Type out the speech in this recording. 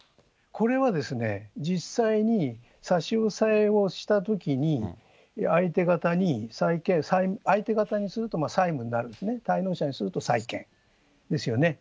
これは実際に差し押さえをしたときに、相手方にすると債務になるんですね、滞納者にすると債権ですよね。